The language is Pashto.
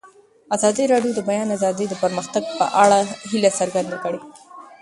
ازادي راډیو د د بیان آزادي د پرمختګ په اړه هیله څرګنده کړې.